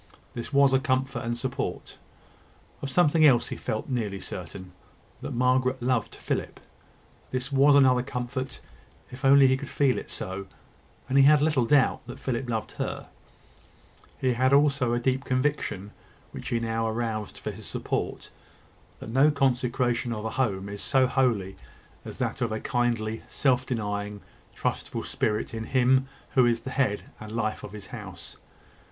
This was a comfort and support. Of something else he felt nearly certain that Margaret loved Philip. This was another comfort, if he could only feel it so; and he had little doubt that Philip loved her. He had also a deep conviction, which he now aroused for his support that no consecration of a home is so holy as that of a kindly, self denying, trustful spirit in him who is the head and life of his house.